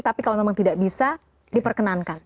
tapi kalau memang tidak bisa diperkenankan